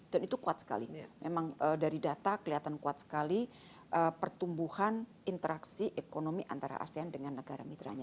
itu kuat sekali memang dari data kelihatan kuat sekali pertumbuhan interaksi ekonomi antara asean dengan negara mitranya